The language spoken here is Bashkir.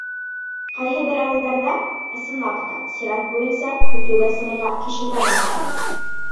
Ҡайһы бер ауылдарҙа, ысынлап та, сират буйынса көтөүгә сығырға кеше таба алмайҙар.